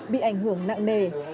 bị ảnh hưởng nặng nề